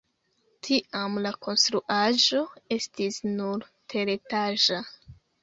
Tiam la konstruaĵo estis nur teretaĝa.